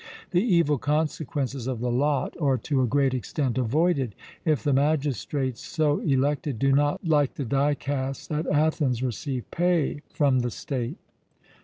The evil consequences of the lot are to a great extent avoided, if the magistrates so elected do not, like the dicasts at Athens, receive pay from the state.